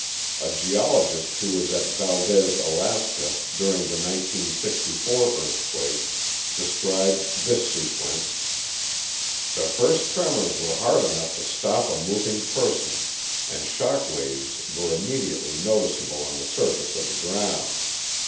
A geologist who was at Valdez, Alaska, during the 1964 earthquake described this sequence: _The first tremors were hard enough to stop a moving person, and shock waves were immediately noticeable on the surface of the ground.